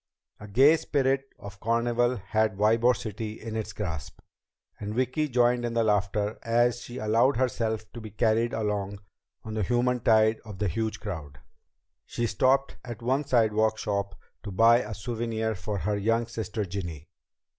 A gay spirit of carnival had Ybor City in its grasp, and Vicki joined in the laughter as she allowed herself to be carried along on the human tide of the huge crowd. She stopped at one sidewalk shop to buy a souvenir for her young sister Ginny.